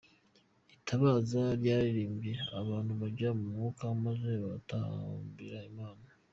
Itabaza ryararirimbye abantu bajya mu mwuka maze batambira Imana.